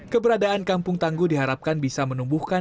keberadaan kampung tangguh diharapkan bisa menumbuhkan